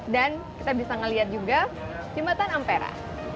dan kita bisa melihat juga jumat tanam pera